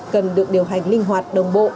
cần được điều hành linh hoạt đồng bộ